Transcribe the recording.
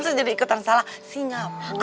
saya jadi ikutan salah sinyal